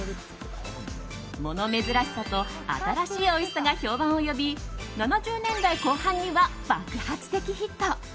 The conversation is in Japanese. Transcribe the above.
物珍しさと新しい美味しさが評判を呼び７０年代後半には爆発的ヒット。